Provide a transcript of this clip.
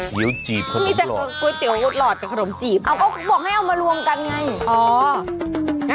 ก๋วยเตี๋ยวจีบขนมหลอดก๋วยเตี๋ยวอุดหลอดเป็นขนมจีบอ้าวก็บอกให้เอามารวมกันไงอ๋อ